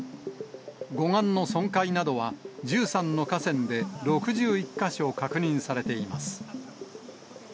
護岸の損壊などは、１３の河川で６１か所確認されています。